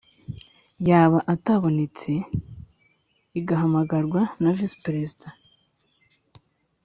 Yaba atabonetse igahamagarwa na Visi Perezida